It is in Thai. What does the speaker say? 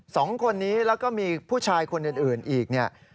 สองคนนี้แล้วก็มีผู้ชายคนอื่นอีกเนี่ย